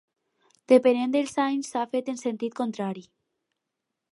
Depenent dels anys, s'ha fet en sentit contrari.